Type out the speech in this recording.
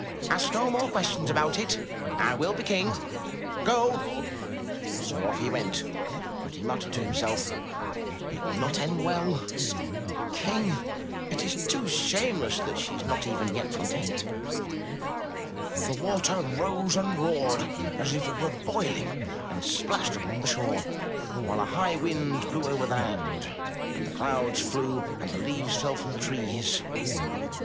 ' Ask no more questions about it ! I will be King. Go !" So off he went but he muttered to himself, ''It will not end well! King! It is too shameless that she is not even yet content." The water rose and roared as though it were boiling, and splashed upon the shore, while a high wind blew over the land, and the clouds flew and the leaves fell from the trees.